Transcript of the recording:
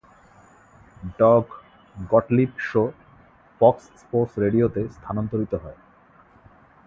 Dog Gottlieb show Fox Sports রেডিওতে স্থানান্তরিত হয়।